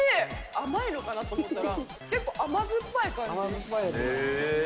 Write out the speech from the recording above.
甘いのかなと思ったら、結構甘酸っぱい感じ。